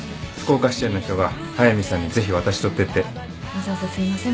わざわざすいません